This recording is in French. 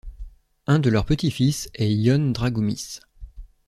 Un de leurs petits-fils est Íon Dragoúmis.